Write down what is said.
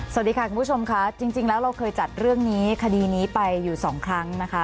สวัสดีค่ะคุณผู้ชมค่ะจริงแล้วเราเคยจัดเรื่องนี้คดีนี้ไปอยู่สองครั้งนะคะ